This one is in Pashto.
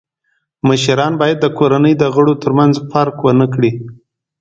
مشران باید د کورنۍ د غړو تر منځ فرق و نه کړي.